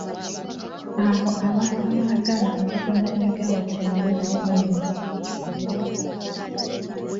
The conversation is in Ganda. Abo ababa baagala okutunda emigabo gyaabwe nabo bayinza okukikolera mu katale.